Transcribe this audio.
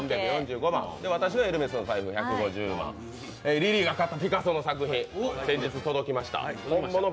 リリーが買ったピカソの作品、先日届きました。